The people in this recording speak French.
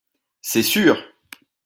C’est sûr